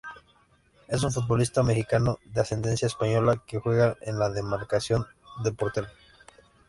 Es un futbolista mexicano de ascendencia española que juega en la demarcación de portero.